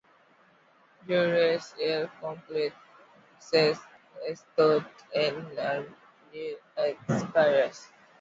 Juriste, il complète ses études en Allemagne et à Paris.